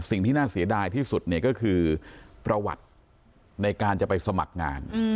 สิ่งที่น่าเสียดายที่สุดเนี่ยก็คือประวัติในการจะไปสมัครงาน